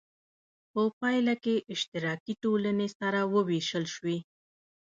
په پایله کې اشتراکي ټولنې سره وویشل شوې.